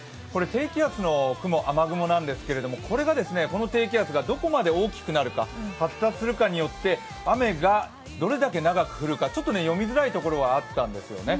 低気圧の雨雲なんですけれども、この低気圧がどこまで大きくなるか、発達するかによって雨がどれだけ長く降るか、ちょっと読みづらい所もあったんですね。